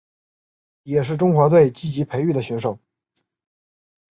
也是中华队积极培育的选手。